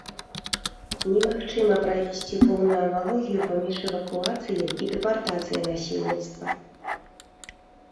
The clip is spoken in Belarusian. Немагчыма правесці поўную аналогію паміж эвакуацыяй і дэпартацыяй насельніцтва.